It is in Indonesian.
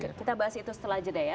kita bahas itu setelah jeda ya